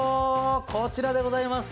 こちらでございます。